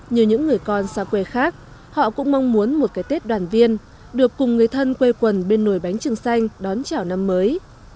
như những người con xa quê khác họ cũng mong muốn một cái tết đoàn viên được cùng người thân quê quần bên nồi bánh trưng xanh đón chào năm mới